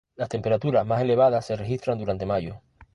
Las temperaturas más elevadas se registran durante mayo.